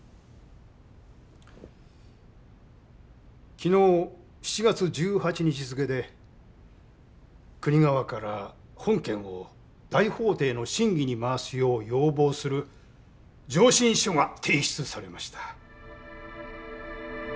昨日７月１８日付で国側から本件を大法廷の審議に回すよう要望する「上申書」が提出されました。